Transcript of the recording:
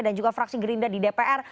dan juga fraksi gerinda di dpr